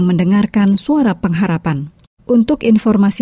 itu langkah yang beruntungan